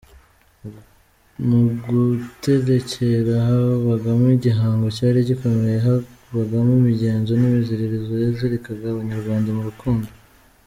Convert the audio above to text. Mu guterekera habagamo igihango cyari gikomeye, habagamo imigenzo n’imiziririzo yazirikaga abanyarwanda mu rukundo.